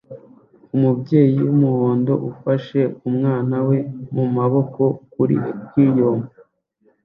Umubyeyi wumuhondo ufashe umwana we mumaboko kuri aquarium